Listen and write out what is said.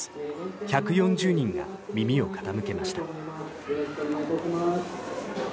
１４０人が耳を傾けました。